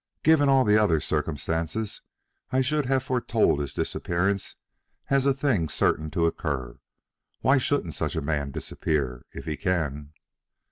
Given all the other circumstances, I should have foretold his disappearance as a thing certain to occur. Why shouldn't such a man disappear, if he can?"